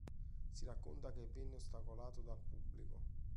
Si racconta che venne ostacolato dal pubblico.